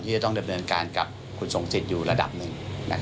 จะต้องดำเนินการกับคุณทรงสิทธิ์อยู่ระดับหนึ่ง